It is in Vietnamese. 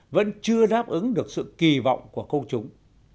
vẫn chưa đáp ứng được sự kỳ vọng của công chúng